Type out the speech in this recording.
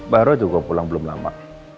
baru aja gue pulang belum lama